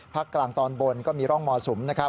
ภาคกลางตอนบนก็มีร่องมอลสุม